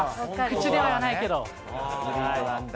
口では言わないけど。